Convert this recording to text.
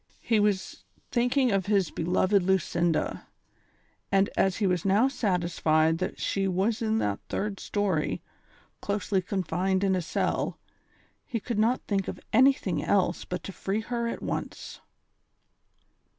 He was thinking of his beloved Lucinda, and as he was now satisfied that she was in that third story, closely confined in a cell, he could not think of anything else but to free her at once.